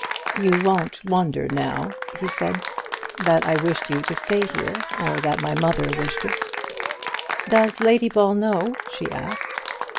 "You won't wonder now," he said, "that I wished you to stay here, or that my mother wished it." "Does Lady Ball know?" she asked.